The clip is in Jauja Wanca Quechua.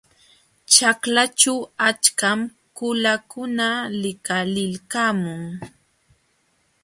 Ćhaklaćhu achkam qulakuna likalilqamun.